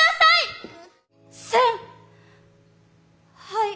はい。